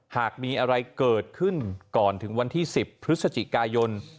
หากมีอะไรเกิดขึ้นก่อนถึงวันที่๑๐พฤศจิกายน